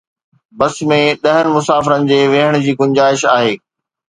بس ۾ ڏهن مسافرن جي ويهڻ جي گنجائش آهي